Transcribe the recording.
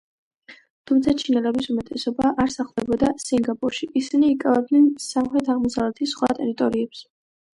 თუმცა, ჩინელების უმეტესობა არ სახლდებოდა სინგაპურში, ისინი იკავებდნენ სამხრეთ-აღმოსავლეთის სხვა ტერიტორიებს.